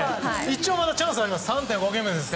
一応まだチャンスあります。